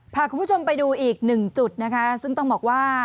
พาคุณผู้ชมไปดูอีกหนึ่งจุดนะคะซึ่งต้องบอกว่า